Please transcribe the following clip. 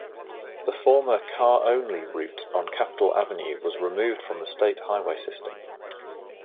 The former car-only route on Capitol Avenue was removed from the state highway system.